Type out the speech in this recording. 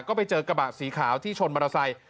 ก็ไปเจอกระบะสีขาวที่ชนมอเตอร์ไซค์